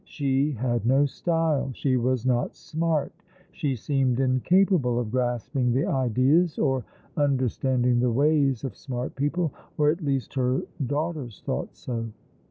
She had no style. She was not " smart." She seemed incapable of grasping the ideas, or understand ing the ways of smart people; or at least her daughters thought so.